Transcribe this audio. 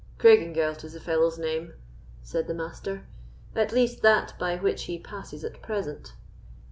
"Craigengelt is the fellow's name," said the Master, "at least that by which he passes at present."